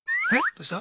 どうした？